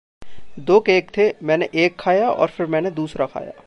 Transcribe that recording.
दो केक थे। मैंने एक खाया और फिर मैंने दूसरा खाया।